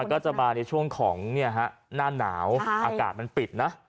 มันก็จะมาในช่วงของเนี่ยฮะหน้าหนาวอากาศมันปิดนะ